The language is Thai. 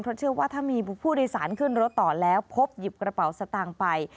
เพราะเชื่อว่าถ้ามีผู้โดยสารขึ้นรถต่อแล้วพบหยิบกระเป๋าสตางค์ไป